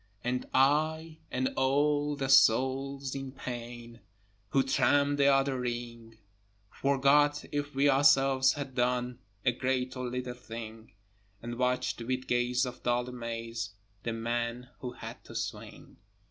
And I and all the souls in pain, Who tramped the other ring, Forgot if we ourselves had done A great or little thing, And watched with gaze of dull amaze The man who had to swing.